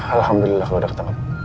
alhamdulillah gue udah ketangkap